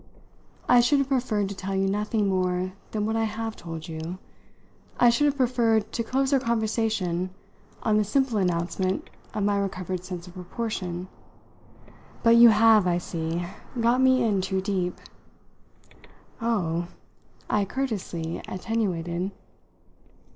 "I should have preferred to tell you nothing more than what I have told you. I should have preferred to close our conversation on the simple announcement of my recovered sense of proportion. But you have, I see, got me in too deep." "O oh!" I courteously attenuated.